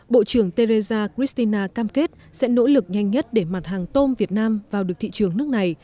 bộ trưởng tereza cristina cam kết sẽ nỗ lực nhanh nhất để mặt hàng tôm việt nam vào được thị trường nước này